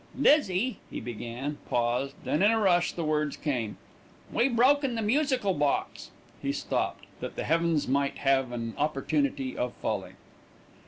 "Lizzie " he began, paused, then in a rush the words came. "We broken the musical box." He stopped, that the heavens might have an opportunity of falling.